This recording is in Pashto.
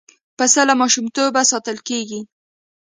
پسه له ماشومتوبه ساتل کېږي.